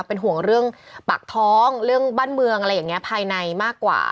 เป็นห่วงเรื่องปากท้องเรื่องบ้านเมืองอะไรอย่างนี้ภายในมากกว่า